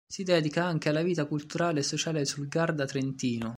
Si dedica anche alla vita culturale e sociale sul Garda Trentino.